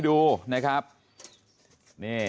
ทุกคนเตยเขาบอก